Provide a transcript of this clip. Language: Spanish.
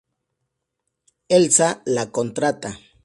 Elsa la contrata.